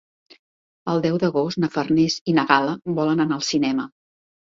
El deu d'agost na Farners i na Gal·la volen anar al cinema.